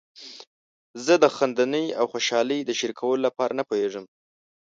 زه د خندنۍ او خوشحالۍ د شریکولو لپاره نه پوهیږم.